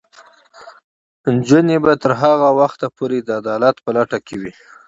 نجونې به تر هغه وخته پورې د عدالت په لټه کې وي.